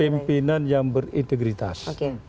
cari pimpinan yang berintegritas